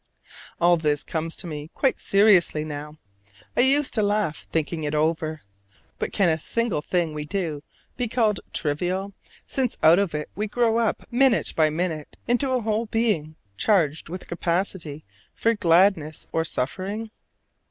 All this comes to me quite seriously now: I used to laugh thinking it over. But can a single thing we do be called trivial, since out of it we grow up minute by minute into a whole being charged with capacity for gladness or suffering?